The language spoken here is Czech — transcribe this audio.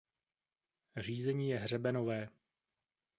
Řízení je hřebenové.